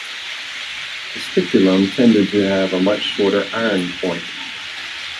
The spiculum tended to have a much shorter iron point.